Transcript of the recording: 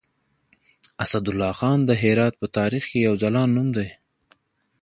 اسدالله خان د هرات په تاريخ کې يو ځلاند نوم دی.